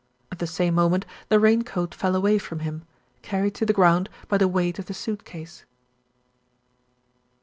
At the same moment the rain coat fell away from him, carried to the ground by the weight of the suit case.